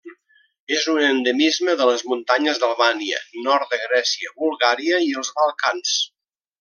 És un endemisme de les muntanyes d'Albània, nord de Grècia, Bulgària i els Balcans.